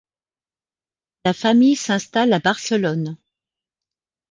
La famille s'installe à Barcelone.